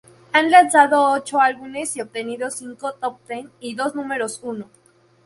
Ha lanzado ocho álbumes y obtenido cinco "top ten" y dos números uno.